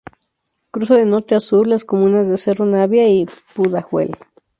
Cruza de norte a sur las comunas de Cerro Navia y Pudahuel.